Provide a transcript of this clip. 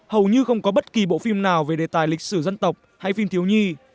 hầu như không có bất kỳ bộ phim nào về đề tài lịch sử dân tộc hay phim thiếu nhi